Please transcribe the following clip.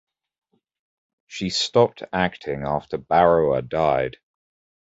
She stopped acting after Barua died.